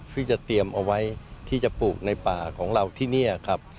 ซึ่งจะเตรียมเอาไว้ที่จะปลูกในป่าของเราที่นี่ครับ